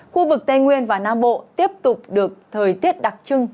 khu vực tây nguyên và nam bộ tiếp tục được thời tiết đặc trưng